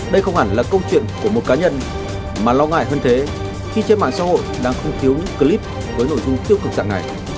đây không hẳn là câu chuyện của một cá nhân mà lo ngại hơn thế khi trên mạng xã hội đang không cứu những clip với nội dung tiêu cực dạng này